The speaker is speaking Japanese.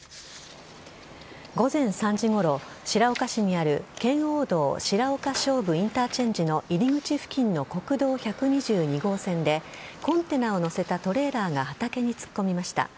午前３時ごろ、白岡市にある圏央道白岡菖蒲インターチェンジの入り口付近の国道１２２号線でコンテナを乗せたトレーラーが畑に突っ込みました。